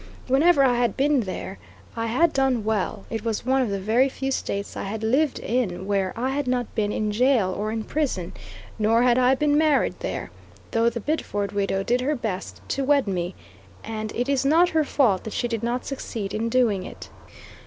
Whenever I had been there I had done well; it was one of the very few States I had lived in where I had not been in jail or in prison; nor had I been married there, though the Biddeford widow did her best to wed me, and it is not her fault that she did not succeed in doing it.